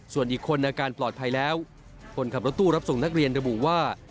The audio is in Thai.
ส่วนอีกคนอาการปลอดภัยแล้วคนขับรถตู้รับส่งนักเรียนระบุว่า